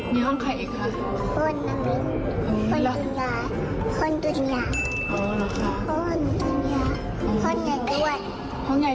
มีห้องใครอีกครับห้นน้ำนิ้วห้นตุ๋นยาห้นตุ๋นยา